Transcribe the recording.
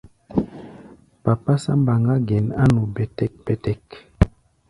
Papásá mbaŋá gɛn á nu bɛ́tɛ́k-bɛ́tɛ́k.